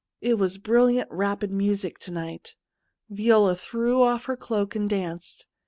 It was brilliant, rapid music to night. Viola threw off her cloak and danced.